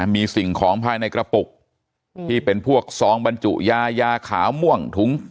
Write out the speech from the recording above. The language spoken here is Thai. มีสิ่งของภายในกระปุกที่เป็นพวกซองบรรจุยายาขาวม่วงถุง